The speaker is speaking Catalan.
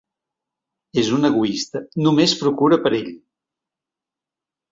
És un egoista: només procura per ell!